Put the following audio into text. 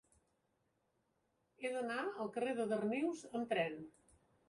He d'anar al carrer de Darnius amb tren.